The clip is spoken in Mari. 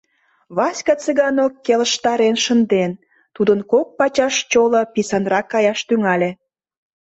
— Васька Цыганок келыштарен шынден, тудын кок пачаш чоло писынрак каяш тӱҥале...»